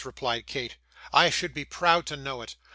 replied Kate. 'I should be proud to know it.